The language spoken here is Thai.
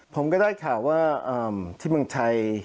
ผมก็ได้ข่าวว่าที่เมืองไทย